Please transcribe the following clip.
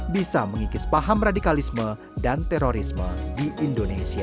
bisa mengikis paham radikalisme dan terorisme di indonesia